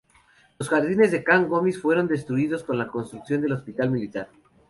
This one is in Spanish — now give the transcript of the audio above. Los jardines de Can Gomis fueron destruidos con la construcción del Hospital Militar.